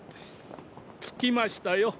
着きましたよ。